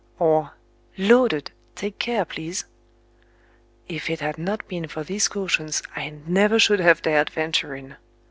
I Or, I Loaded! I I Take care, please! I If it had not been for these cautions I never should have dared venture in.